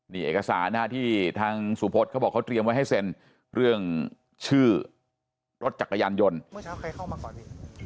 นี่เอกสารที่ทางสุพธเขาบอกเขาเตรียมไว้ให้เซ็นเรื่องชื่อรถจักรยานยนต์